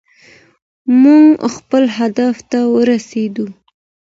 موږ خپل هدف ته ورسېدو.